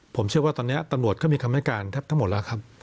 ผมเชื่อว่าตอนนี้ตำรวจก็มีคำให้การแทบทั้งหมดแล้วครับ